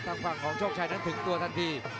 ทางฝั่งของโชคชัยนั้นถึงตัวทันที